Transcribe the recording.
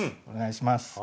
お願いします。